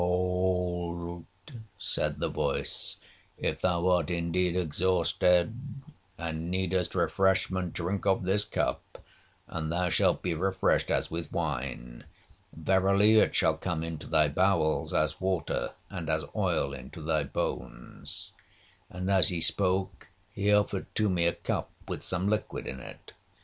'Hold,' said the voice, 'if thou art indeed exhausted, and needest refreshment, drink of this cup, and thou shalt be refreshed as with wine; verily, it shall come into thy bowels as water, and as oil into thy bones,'—and as he spoke he offered to me a cup with some liquid in it.